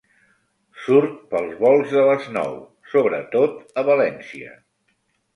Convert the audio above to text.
Surt pels volts de les nou, sobretot a València.